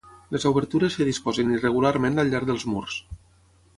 Les obertures es disposen irregularment al llarg dels murs.